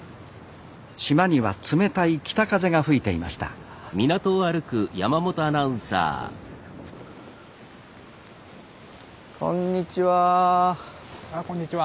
島には冷たい北風が吹いていましたこんにちは。